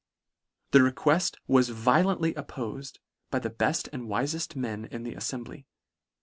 The requeft was violently oppofed by the belt, and wifeft men in the aflembly.